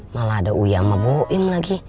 malah ada uya sama buim lagi